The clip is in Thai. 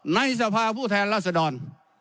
ในศาภาผู้แทนรัฐสดร